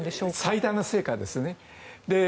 最大の成果ですよね。